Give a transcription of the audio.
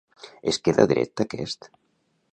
Es queda dret aquest?